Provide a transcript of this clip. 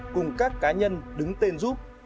cùng các cá nhân đứng tên giúp